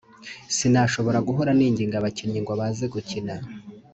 sinashobora guhora ninginga abakinnyi ngo baze gukina